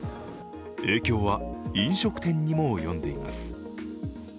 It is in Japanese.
影響は飲食店にも及んでいます。